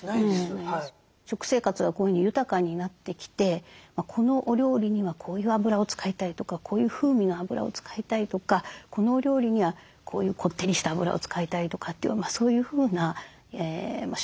食生活がこういうふうに豊かになってきてこのお料理にはこういうあぶらを使いたいとかこういう風味のあぶらを使いたいとかこのお料理にはこういうこってりしたあぶらを使いたいとかっていうそういうふうな消費者のニーズがですね